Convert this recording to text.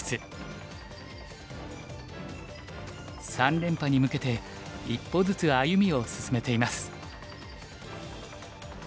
三連覇に向けて一歩ずつ歩みを進めています。